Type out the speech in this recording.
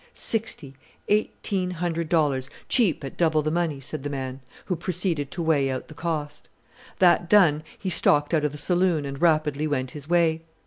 "Sixty! eighteen hundred dollars, cheap at double the money," said the man, who proceeded to weigh out the cost. That done he stalked out of the saloon and rapidly went his way.